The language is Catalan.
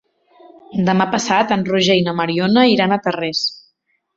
Demà passat en Roger i na Mariona iran a Tarrés.